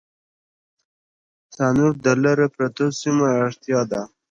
تنور د لرو پرتو سیمو اړتیا ده